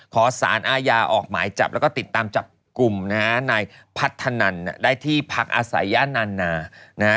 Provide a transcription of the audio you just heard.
ขอสารอาญาออกหมายจับแล้วก็ติดตามจับกลุ่มนะฮะนายพัฒนันได้ที่พักอาศัยย่านนานานะฮะ